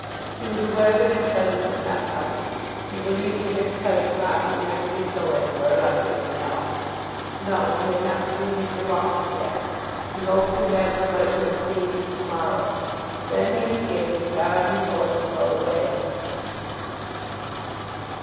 He was aware that his cousin was not coming. He believed that his cousin Roger never did go any where like any one else. No; he had not seen Mr. Longestaffe. He hoped to have the pleasure of seeing him to morrow. Then he escaped, and got on his horse, and rode away.